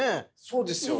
そうですよ。